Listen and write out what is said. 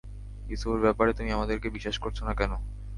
ইউসুফের ব্যাপারে তুমি আমাদেরকে বিশ্বাস করছ না কেন?